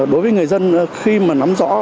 đối với người dân khi mà nắm rõ